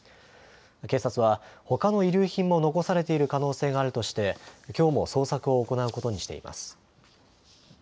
警察は、ほかの遺留品も残されている可能性もあるとして、きょうも捜索を行うことにしています。